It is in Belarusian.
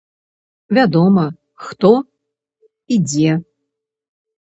Вядома, хто і дзе.